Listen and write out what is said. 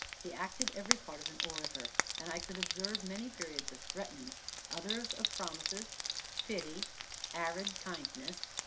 He acted every part of an orator, and I could observe many periods of threatenings, and others of promises, pity, arid kindness.